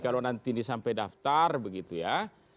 kalau nanti ini sampai daftar begitu ya